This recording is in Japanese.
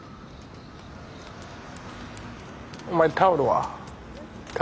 お前タオルは？